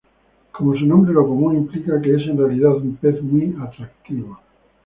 Como su nombre lo común implica que es en realidad un pez muy atractivo.